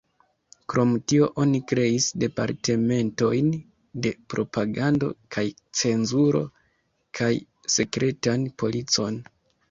Krom tio, oni kreis departementojn de propagando kaj cenzuro kaj sekretan policon.